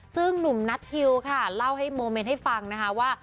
ซึ่งหนุ่มนัททิวค่ะเล่าให้โมเมนต์ให้ฟังนะคะว่า